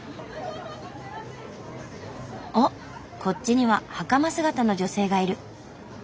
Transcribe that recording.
おっこっちにははかま姿の女性がいる。